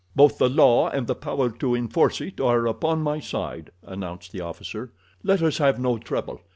"Both the law and the power to enforce it are upon my side," announced the officer. "Let us have no trouble.